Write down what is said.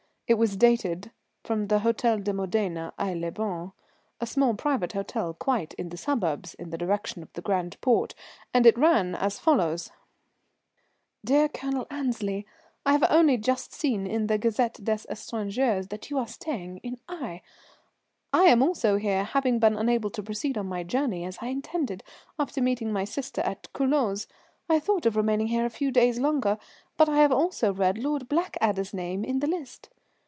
It was dated from the Hôtel de Modena, Aix les Bains, a small private hotel quite in the suburbs in the direction of the Grand Port, and it ran as follows: "DEAR COLONEL ANNESLEY: I have only just seen in the Gazette des Etrangers that you are staying in Aix. I also am here, having been unable to proceed on my journey as I intended after meeting my sister at Culoz. I thought of remaining here a few days longer, but I have also read Lord Blackadder's name in the list.